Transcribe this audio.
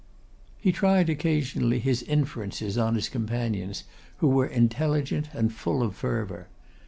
He tried occasionally his inferences on his companions, who were intelligent and full of fervour.